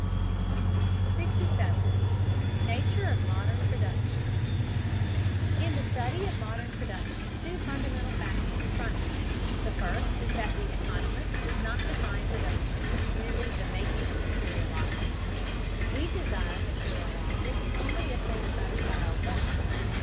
67. NATURE OF MODERN PRODUCTION. In the study of modern production two fundamental facts confront us. The first is that the economist does not define production as merely the making of material objects. We desire material objects only if they will satisfy our wants.